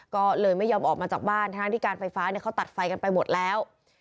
ก็เลยไม่ยอมออกมาจากบ้านทั้งที่การไฟฟ้าเขาตัดไฟกันไปหมดแล้ว